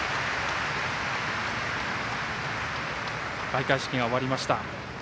開会式が終わりました。